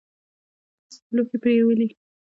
لوښي پرېولي.